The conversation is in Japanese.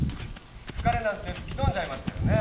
つかれなんてふきとんじゃいましたよね。